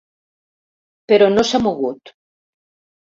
Però no s'ha mogut.